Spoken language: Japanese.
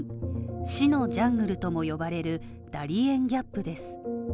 死のジャングルとも呼ばれるダリエン・ギャップです。